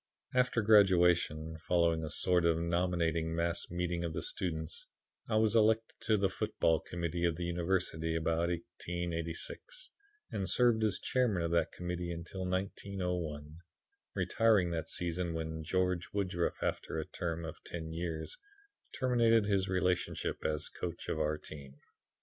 After graduation, following a sort of nominating mass meeting of the students, I was elected to the football committee of the University, about 1886, and served as chairman of that committee until 1901; retiring that season when George Woodruff, after a term of ten years, terminated his relationship as coach of our team.